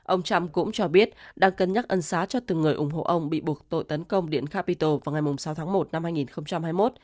ông trump cũng cho biết đang cân nhắc ân xá cho từng người ủng hộ ông bị buộc tội tấn công điện capitol vào ngày sáu tháng một năm hai nghìn hai mươi một